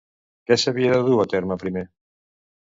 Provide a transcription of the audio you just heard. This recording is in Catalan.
Què s'havia de dur a terme primer?